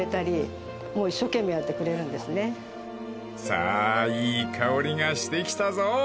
［さあいい香りがしてきたぞ］